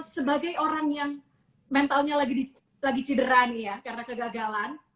sebagai orang yang mentalnya lagi cedera nih ya karena kegagalan